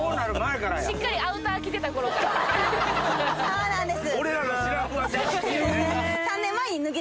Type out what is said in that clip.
そうなんです！